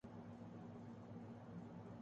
ہم باتوں کے بادشاہ ہیں۔